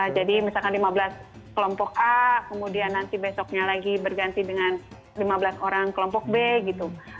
jadi misalkan lima belas kelompok a kemudian nanti besoknya lagi berganti dengan lima belas orang kelompok b gitu